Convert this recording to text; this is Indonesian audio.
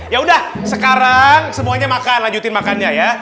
yaudah sekarang semuanya makan lanjutin makannya ya